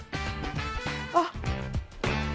あっ！